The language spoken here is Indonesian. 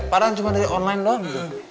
padahal cuma dari online doang gitu ya